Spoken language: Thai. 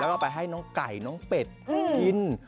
แล้วก็ไปให้น้องไก่น้องเป็ดกิน